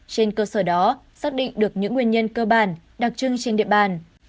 trên cơ sở đó xác định được những nguyên nhân cơ bản đặc trưng trên địa bàn